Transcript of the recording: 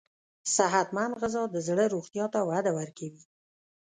صحتمند غذا د زړه روغتیا ته وده ورکوي.